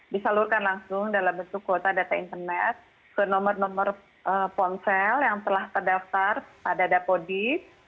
disalurkan langsung dalam bentuk kuota data internet ke nomor nomor ponsel yang telah terdaftar pada dapodi